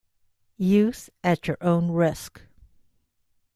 Use at your own risk.